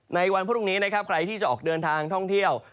ในวันพรุ่งนี้นะครับใครที่จะออกเดินทางท่องเที่ยว